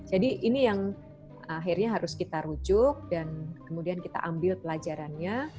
jadi ini yang akhirnya harus kita rujuk dan kemudian kita ambil pelajarannya